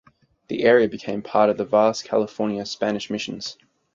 The area became part of the vast California Spanish missions.